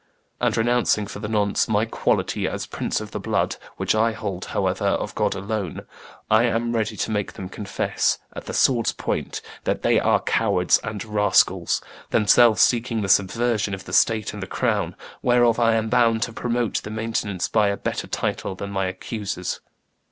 And renouncing, for the nonce, my quality as prince of the blood, which I hold, however, of God alone, I am ready to make them confess, at the sword's point, that they are cowards and rascals, themselves seeking the subversion of the state and the crown, whereof I am bound to promote the maintenance by a better title than my accusers.